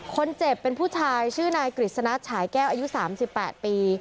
คนเจ็บเป็นผู้ชายชื่อนายกฤษณะฉายแก้วอายุ๓๘ปี